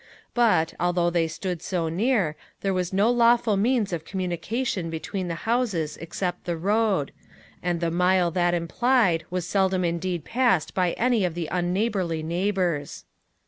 But, although they stood so near, there was no lawful means of communication between the houses except the road; and the mile that implied was seldom indeed passed by any of the unneighborly neighbors.